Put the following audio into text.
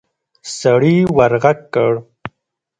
سړي ورغږ کړ.